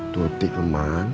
bukit bukit waktu hujan c